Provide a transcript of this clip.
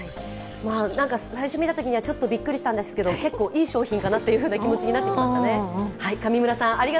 最初見たときにはちょっとびっくりしたんですけど、結構いい商品かなという気持ちになってきましたね。